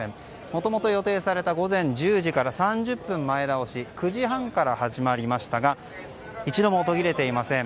もともと予定された午前１０時から３０分前倒し９時半から始まりましたが一度も途切れていません。